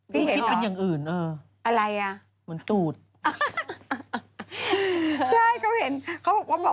พี่เห็นเหรอพี่เห็นไปอย่างอื่นเออวดูให้คิดเป็นอย่างอื่น